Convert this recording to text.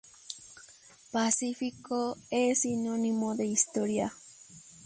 Pacífico es sinónimo de historia.